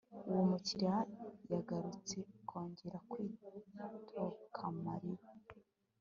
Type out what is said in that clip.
uwo mukiriya yagarutse kongera kwitokamariba